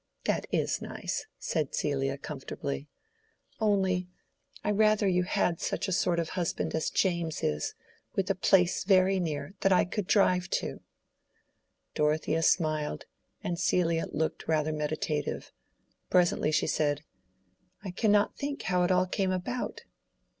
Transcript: "That is nice," said Celia, comfortably. "Only I would rather you had such a sort of husband as James is, with a place very near, that I could drive to." Dorothea smiled, and Celia looked rather meditative. Presently she said, "I cannot think how it all came about."